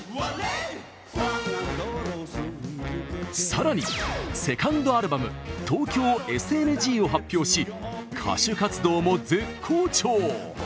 更にセカンドアルバム「東京ＳＮＧ」を発表し歌手活動も絶好調。